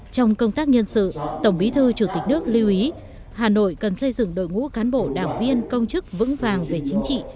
trong công tác nhân sự tổng bí thư chủ tịch nước lưu ý hà nội cần xây dựng đội ngũ cán bộ đảng viên công chức vững vàng về chính trị